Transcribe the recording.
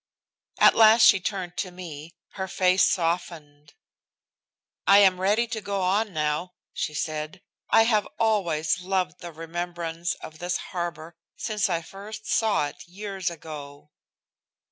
At last she turned to me, her face softened. "I am ready to go on now," she said. "I have always loved the remembrance of this harbor since I first saw it years ago."